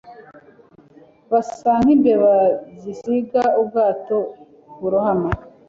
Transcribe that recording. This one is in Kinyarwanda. Basa nkimbeba zisiga ubwato burohama.